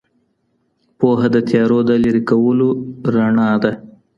پوهه د تیارو د لیري کولو رڼا ده.